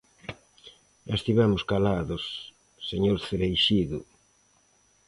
E estivemos calados, señor Cereixido.